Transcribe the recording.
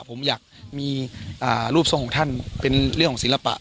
ผมอยากมีรูปทรงของท่านเป็นเรื่องของศิลปะ